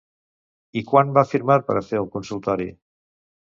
I quan va firmar per a fer el consultori?